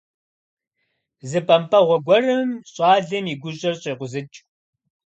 Зы бэмпӀэгъуэ гуэрым щӏалэм и гущӀэр щекъузыкӀ.